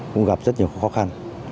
cũng gặp rất nhiều khó khăn